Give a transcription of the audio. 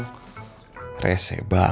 lu mau ke depan karin